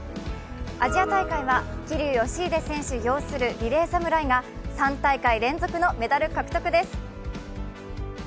アジア大会は桐生祥秀選手擁するリレー侍が３大会連続のメダル獲得です。